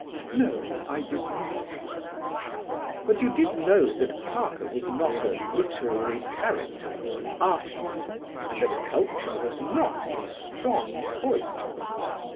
"No; I did not." "But you did know that Parker was not a literary character or an artist, and that culture was not his strong point?"